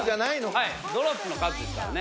はいドロップの数ですからね。